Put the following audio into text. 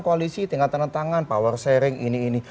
koalisi tinggal tanda tangan power sharing ini ini